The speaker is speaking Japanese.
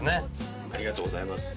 ありがとうございます。